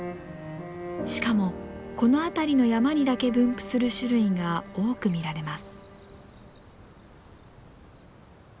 しかもこの辺りの山にだけ分布する種類が多く見られます。